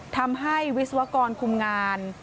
ทำให้วิศวกรคุมงาน